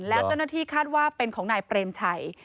แล้วเจ้าหน้าที่คาดว่าเป็นของนายเปรมชัย